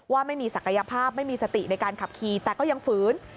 ว่าไม่มีศักยภาพไม่มีสติในการขับขี่แต่ก็ยังฝืน